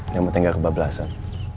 yang mati gak kebablasan